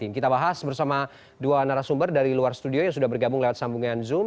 kita bahas bersama dua narasumber dari luar studio yang sudah bergabung lewat sambungan zoom